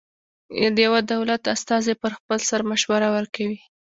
د یوه دولت استازی پر خپل سر مشوره ورکوي.